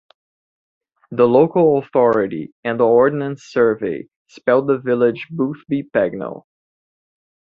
The local authority, and the Ordnance Survey, spell the village "Boothby Pagnell".